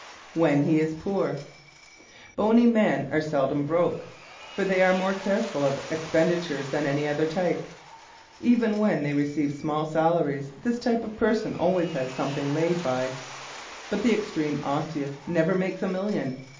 When He is Poor ¶ Bony men are seldom "broke" for they are more careful of expenditures than any other type. Even when they receive small salaries this type of person always has something laid by. But the extreme Osseous never makes a million.